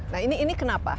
nah ini kenapa